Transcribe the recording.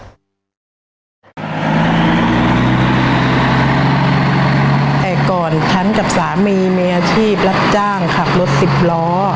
แต่ก่อนฉันกับสามีมีอาชีพรับจ้างขับรถสิบล้อ